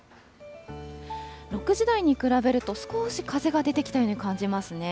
６時台に比べると、少し風が出てきたように感じますね。